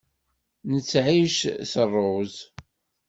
Nettεic s rruẓ.